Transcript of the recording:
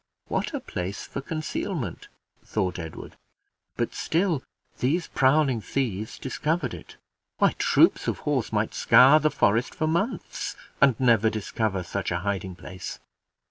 "What a place for concealment!" thought Edward, "but still these prowling thieves discovered it. Why, troops of horse might scour the forest for months, and never discover such a hiding place."